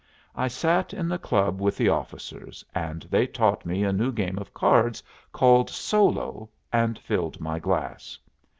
I sat in the club with the officers, and they taught me a new game of cards called Solo, and filled my glass.